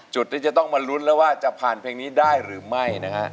จุดที่จะต้องมาลุ้นแล้วว่าจะผ่านเพลงนี้ได้หรือไม่นะฮะ